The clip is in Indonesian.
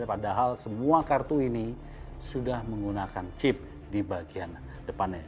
padahal semua kartu ini sudah menggunakan chip di bagian depannya